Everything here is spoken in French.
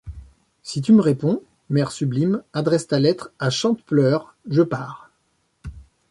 Si tu me réponds, mère sublime, adresse ta lettre à Chantepleurs, je pars.